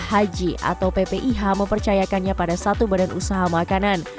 haji atau ppih mempercayakannya pada satu badan usaha makanan